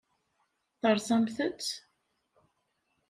Terẓamt-tt?